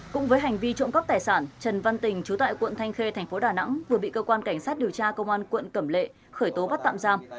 cũng với hành vi trộm cắp tài sản trần văn tình chú tại quận thanh khê thành phố đà nẵng vừa bị cơ quan cảnh sát điều tra công an quận cẩm lệ khởi tố bắt tạm giam